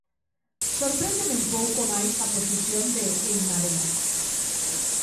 Sorpréndeme un pouco máis a posición de En Marea.